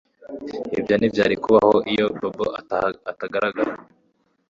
Ibyo ntibyari kubaho iyo Bobo atagaragara